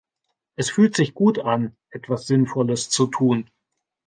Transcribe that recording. Es fühlt sich gut an, etwas Sinnvolles zu tun.